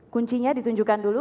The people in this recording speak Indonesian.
kuncinya ditunjukkan dulu